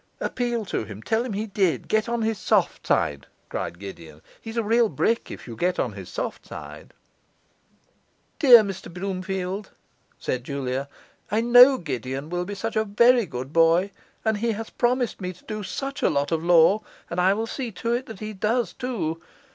'Appeal to him, tell him he did, get on his soft side,' cried Gideon. 'He's a real brick if you get on his soft side.' 'Dear Mr Bloomfield,' said Julia, 'I know Gideon will be such a very good boy, and he has promised me to do such a lot of law, and I will see that he does too.